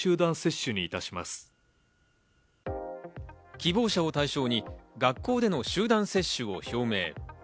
希望者を対象に学校での集団接種を表明。